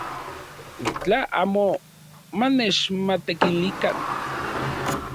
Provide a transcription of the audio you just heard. Tla amo manechmatekilikan.